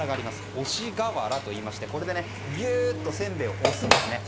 押し瓦といいましてこれでせんべいを押すんです。